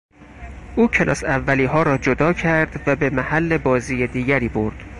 او کلاس اولیها را جدا کرد و به محل بازی دیگری برد.